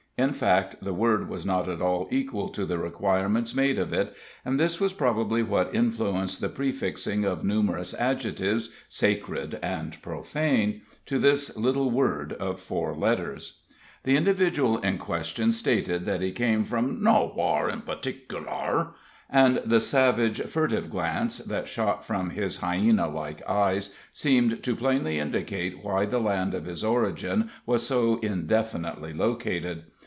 In fact, the word was not at all equal to the requirements made of it, and this was probably what influenced the prefixing of numerous adjectives, sacred and profane, to this little word of four letters. The individual in question stated that he came from "no whar in pu'tiklar," and the savage, furtive glance that shot from his hyena like eyes seemed to plainly indicate why the land of his origin was so indefinitely located.